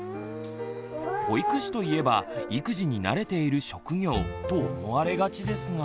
「保育士といえば育児に慣れている職業」と思われがちですが。